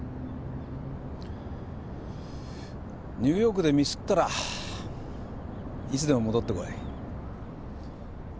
ニューヨークでミスったらいつでも戻ってこい。